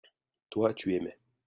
toi, tu aimais.